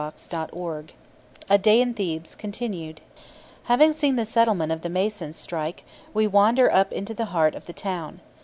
CHAPTER III A DAY IN THEBES Continued Having seen the settlement of the masons' strike, we wander up into the heart of the town.